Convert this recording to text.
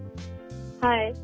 はい。